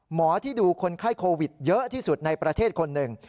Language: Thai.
หมอที่ดูคนไข้โควิดเยอะที่สุดในประเทศคนหนึ่ง